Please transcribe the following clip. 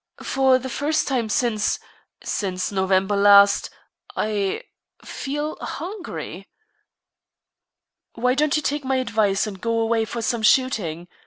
For the first time since since November last, I feel hungry." "Why don't you take my advice, and go away for some shooting?